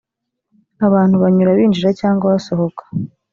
abantu banyura binjira cyangwa basohoka